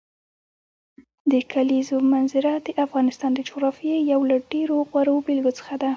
د کلیزو منظره د افغانستان د جغرافیې یو له ډېرو غوره بېلګو څخه ده.